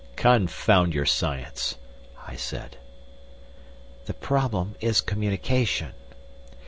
"Confound your science!" I said. "The problem is communication.